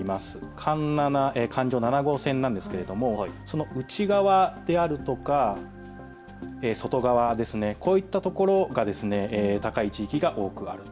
環７、環状７号線なんですけれどもその内側であるとか外側、こういったところが高い地域が多くあると。